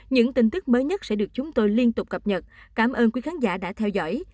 những tin tức mới nhất sẽ được chúng tôi liên tục cập nhật cảm ơn quý khán giả đã theo dõi